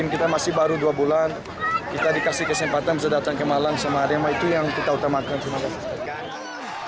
kita masih baru dua bulan kita dikasih kesempatan bisa datang ke malang sama arema itu yang kita utamakan